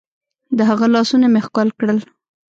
د هغه لاسونه مې ښکل کړل.